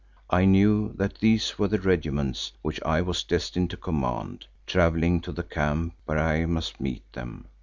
I knew that these were the regiments which I was destined to command, travelling to the camp where I must meet them.